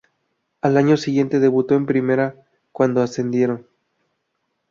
Al año siguiente debutó en Primera, cuando ascendieron.